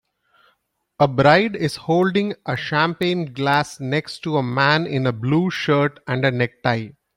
a bride is holding a champagne glass next to a man in a blue shirt and necktie.